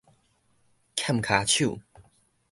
欠跤手